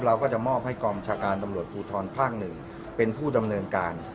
เราก็จะมอบให้กองชาการตำรวจภูทรภาค๑เป็นผู้ดำเนินการ